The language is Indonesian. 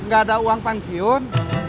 gak ada uang pensiun